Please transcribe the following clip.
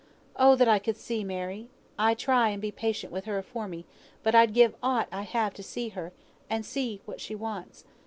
Oh! that I could see, Mary! I try and be patient with her afore me, but I'd give aught I have to see her, and see what she wants.